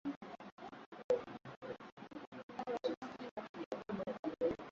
na mara hii kuna taarifa kuhusiana na suala la wachezaji